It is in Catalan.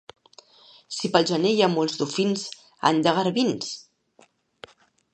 Si pel gener hi ha molts dofins, any de garbins.